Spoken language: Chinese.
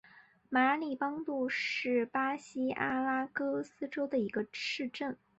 马里邦杜是巴西阿拉戈斯州的一个市镇。